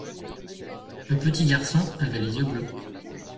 Le petit garçon avait les yeux bleus.